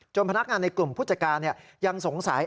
พนักงานในกลุ่มผู้จัดการยังสงสัย